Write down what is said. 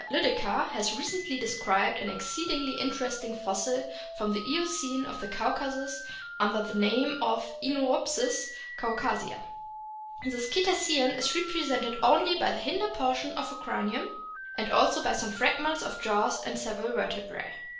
Lydekker has recently described an exceedingly interesting fossil from the Eocene of the Caucasus under the name of Iniopsis caitcasica* This Cetacean is represented only " by the hinder portion of a cranium, and also by some fragments of jaws and several vertebrae."